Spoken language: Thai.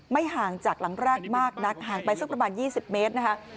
ห่างจากหลังแรกมากนักห่างไปสักประมาณ๒๐เมตรนะคะ